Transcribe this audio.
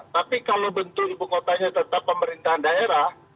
tapi kalau bentuk ibu kotanya tetap pemerintahan daerah